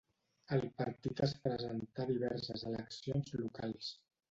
El partit es presentà a diverses eleccions locals.